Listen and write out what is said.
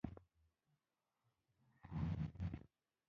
دوج باید د عمومي اسامبلې له لوري تایید شوی وای.